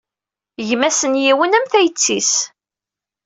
Gma-s n yiwen, am tayet-is.